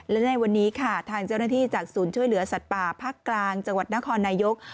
และในวันนี้ค่ะทางเจ้าหน้าที่จากศูนย์ช่วยเหลือสัตว์ป่าภาคกลางจังหวัดนครนายก